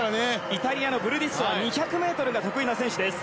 イタリアのブルディッソは２００ｍが得意な選手です。